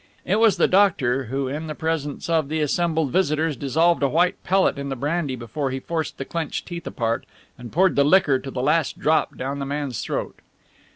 It was the doctor who in the presence of the assembled visitors dissolved a white pellet in the brandy before he forced the clenched teeth apart and poured the liquor to the last drop down the man's throat.